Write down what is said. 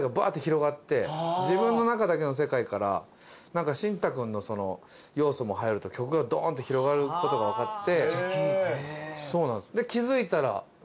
自分の中だけの世界からシンタくんの要素も入ると曲がドーンって広がることが分かって。